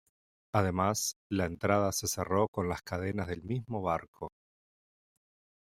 Además, la entrada se cerró con las cadenas del mismo barco.